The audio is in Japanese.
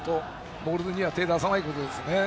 ボールには手を出さないことです。